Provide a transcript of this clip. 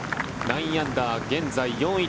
９アンダー現在４位